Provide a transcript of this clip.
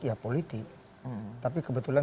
ya politik tapi kebetulan